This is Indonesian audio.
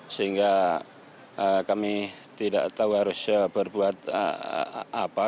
sehingga kami tidak tahu harus berbuat apa